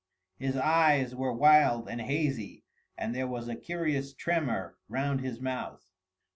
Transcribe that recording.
His eyes were wild and hazy and there was a curious tremor round his mouth.